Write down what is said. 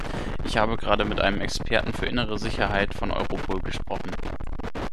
Ich habe gerade mit einem Experten für innere Sicherheit von Europol gesprochen.